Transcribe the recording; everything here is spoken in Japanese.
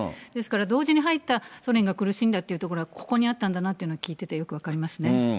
ですから同時に入ったソ連が苦しんだという背景がここにあったんだなというのは、聞いててよく分かりますね。